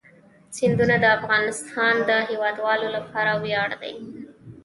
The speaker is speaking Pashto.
سیندونه د افغانستان د هیوادوالو لپاره ویاړ دی.